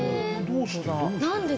どうして？